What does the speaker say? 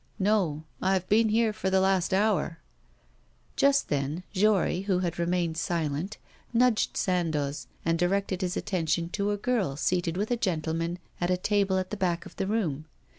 'No; I have been here for the last hour.' Just then Jory, who had remained silent, nudged Sandoz, and directed his attention to a girl seated with a gentleman at a table at the back of the room.